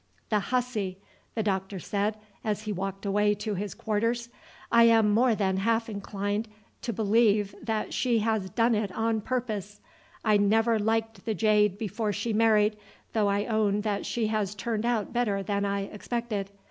"The hussy!" the doctor said as he walked away to his quarters. "I am more than half inclined to believe that she has done it on purpose. I never liked the jade before she married, though I own that she has turned out better than I expected.